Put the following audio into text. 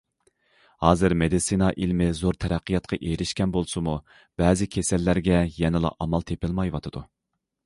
ھازىر مېدىتسىنا ئىلمى زور تەرەققىياتقا ئېرىشكەن بولسىمۇ، بەزى كېسەللەرگە يەنىلا ئامال تېپىلمايۋاتىدۇ.